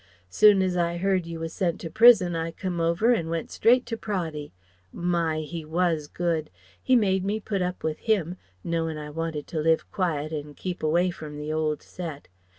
Soon as I heard you was sent to prison I come over and went straight to Praddy. My! He was good. He made me put up with him, knowin' I wanted to live quiet and keep away from the old set.